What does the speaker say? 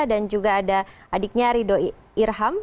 dan juga ada adiknya ridho irham